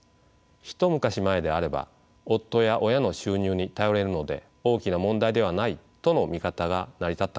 一昔前であれば夫や親の収入に頼れるので大きな問題ではないとの見方が成り立ったかもしれません。